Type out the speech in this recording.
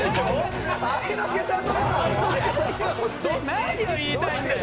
何を言いたいんだよ。